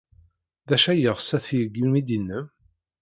D acu ay yeɣs ad t-yeg umidi-nnem?